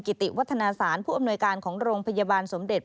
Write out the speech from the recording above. ติวัฒนาศาลผู้อำนวยการของโรงพยาบาลสมเด็จ